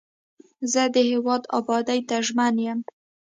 زه د هیواد ابادۍ ته ژمن یم.